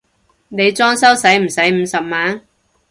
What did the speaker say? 你裝修駛唔駛五十萬？